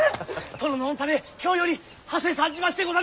殿の御為京よりはせ参じましてござります！